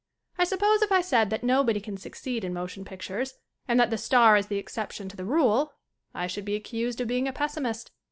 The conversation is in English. I suppose if I said that nobody can succeed in motion pictures and that the star is the ex ception to the rule I should be accused of being a pessimist.